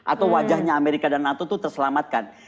atau wajahnya amerika dan nato itu terselamatkan